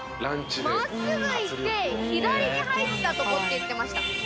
真っすぐ行って左に入ったとこって言ってました。